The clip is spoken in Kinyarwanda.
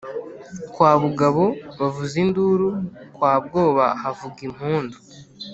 Kwa Bugabo bavuza induru, kwa Bwoba havuga impundu.